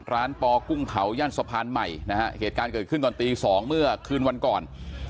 ปอกุ้งเผาย่านสะพานใหม่นะฮะเหตุการณ์เกิดขึ้นตอนตีสองเมื่อคืนวันก่อน